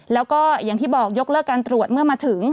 แล้วก็อย่างที่บอกยกเลิกการตรวจเมื่อมาถึง